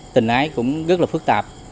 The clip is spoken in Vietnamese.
tình ái cũng rất là phức tạp